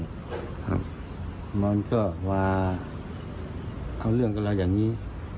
ครับมันก็มาเอาเรื่องกับเราอย่างนี้